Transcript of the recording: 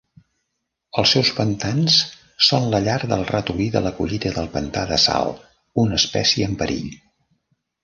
Els seus pantans són la llar del ratolí de la collita del pantà de sal, una espècie en perill.